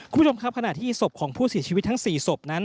คุณผู้ชมครับขณะที่ศพของผู้เสียชีวิตทั้ง๔ศพนั้น